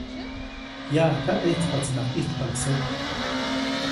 Yaʼajka ʼejtspaʼtsinaʼajk ʼijtpaʼk säk.